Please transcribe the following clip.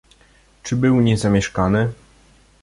"„Czy był niezamieszkany?"